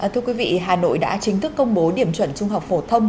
thưa quý vị hà nội đã chính thức công bố điểm chuẩn trung học phổ thông